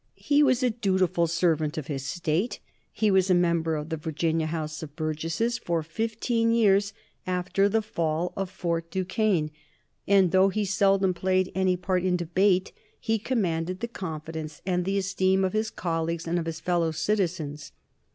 He was a dutiful servant of his State; he was a member of the Virginia Houses of Burgesses for fifteen years after the fall of Fort Duquesne, and though he seldom played any part in debate he commanded the confidence and the esteem of his colleagues and of his fellow citizens.